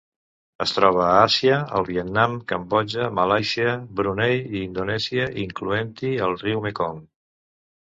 Es troba a Àsia: el Vietnam, Cambodja, Malàisia, Brunei i Indonèsia, incloent-hi el riu Mekong.